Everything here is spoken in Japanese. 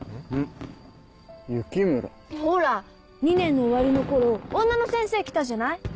ほら２年の終わりの頃女の先生来たじゃない？